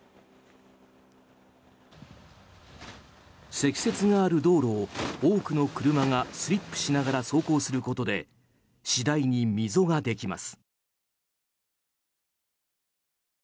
積雪がある道路を多くの車がスリップしながら走行することで次第に溝ができます。